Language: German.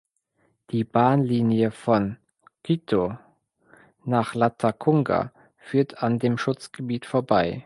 Die Bahnlinie von Quito nach Latacunga führt an dem Schutzgebiet vorbei.